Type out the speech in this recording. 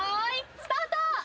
スタート。